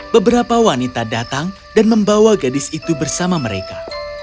beberapa wanita datang dan membawa gadis itu bersama mereka